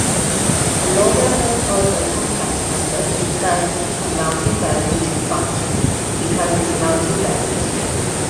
The logarithm of a complex number is thus a multi-valued function, because is multi-valued.